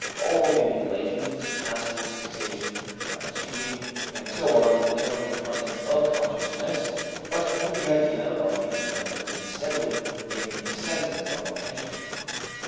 All the manipulations, passes, fixation, monotonous speaking, and so on narrow the contents of consciousness but hold the idea of the hypnotizing person steadily in the center of attention.